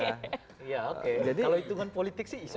kalau dihitung politik sih bisa